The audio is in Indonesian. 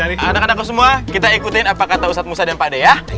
baik anak anakku semua kita ikutin apa kata ustadz musa dan pak d ya